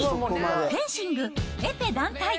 フェンシングエペ団体。